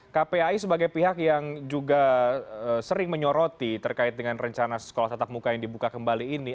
kpai sebagai pihak yang juga sering menyoroti terkait dengan rencana sekolah tatap muka yang dibuka kembali ini